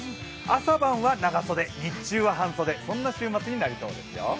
朝晩は長袖、日中は半袖そんな週末になりそうですよ。